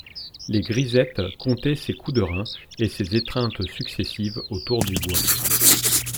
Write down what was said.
Les grisettes comptaient ses coups de reins, et ses étreintes successives autour du bois.